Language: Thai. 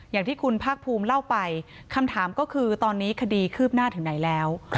อย่างที่คุณภาคภูมิเล่าไปคำถามก็คือตอนนี้คดีคืบหน้าถึงไหนแล้ว